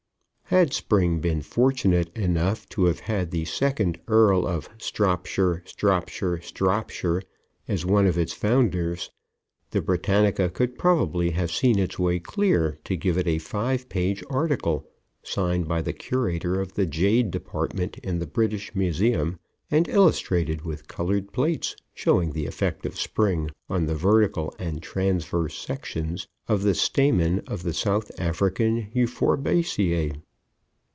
Had Spring been fortunate enough to have had the Second Earl of Stropshire Stropshire Stropshire as one of its founders, the Britannica could probably have seen its way clear to give it a five page article, signed by the Curator of the Jade Department in the British Museum, and illustrated with colored plates, showing the effect of Spring on the vertical and transverse sections of the stamen of the South African Euphorbiceæ.